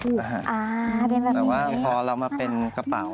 เป็นแบบนี้แต่ว่าพอเรามาเป็นกระเป๋า